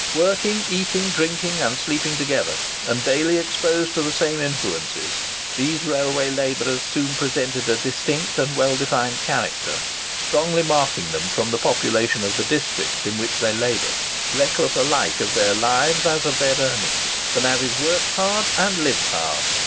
Working, eating, drinking, and sleeping together, and daily exposed to the same influences, these railway labourers soon presented a distinct and well defined character, strongly marking them from the population of the districts in which they laboured. Reckless alike of their lives as of their earnings, the navvies worked hard and lived hard.